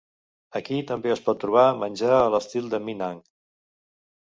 Aquí també es pot trobar menjar a l'estil de Minang.